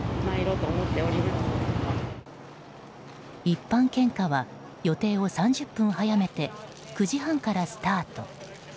一般献花は予定を３０分早めて９時半からスタート。